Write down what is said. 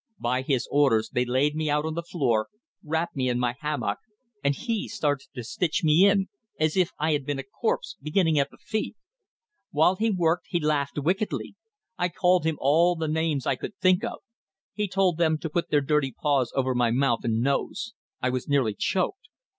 By his orders they laid me out on the floor, wrapped me in my hammock, and he started to stitch me in, as if I had been a corpse, beginning at the feet. While he worked he laughed wickedly. I called him all the names I could think of. He told them to put their dirty paws over my mouth and nose. I was nearly choked.